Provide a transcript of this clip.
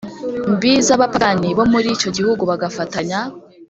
Mbi z abapagani bo muri icyo gihugu bagafatanya